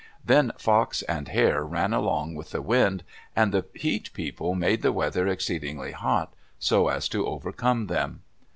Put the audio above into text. Then Fox and Hare ran along with the wind, and the Heat People made the weather exceedingly hot, so as to overcome them.